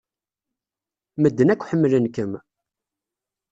Medden akk ḥemmlen-kem.